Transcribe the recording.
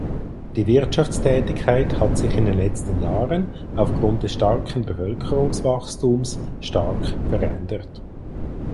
Die Wirtschaftstätigkeit hat sich in den letzten Jahren aufgrund des starken Bevölkerungswachstums stark verändert.